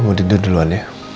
kamu tidur duluan ya